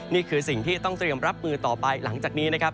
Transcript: นี่คือสิ่งที่ต้องเตรียมรับมือต่อไปหลังจากนี้นะครับ